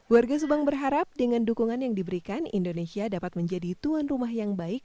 warga subang berharap dengan dukungan yang diberikan indonesia dapat menjadi tuan rumah yang baik